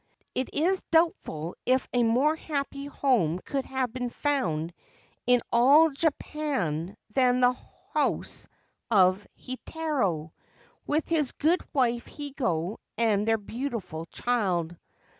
It is doubtful if a more happy home could have been found in all Japan than the house of Heitaro, with his good wife Higo and their beautiful child.